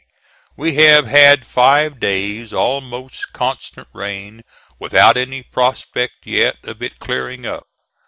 We have had five days almost constant rain without any prospect yet of it clearing up.